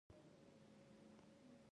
مسئولیت منونکی واوسه، تر څو خپلواک سې.